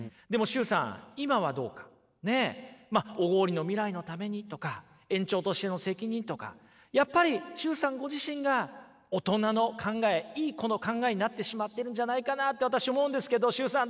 小郡の未来のためにとか園長としての責任とかやっぱり崇さんご自身が大人の考えいい子の考えになってしまっているんじゃないかなと私思うんですけど崇さん